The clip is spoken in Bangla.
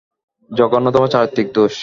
জঘন্যতম চারিত্রিক দোষ।